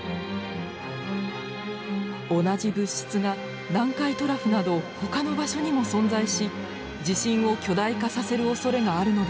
同じ物質が南海トラフなどほかの場所にも存在し地震を巨大化させるおそれがあるのではないか。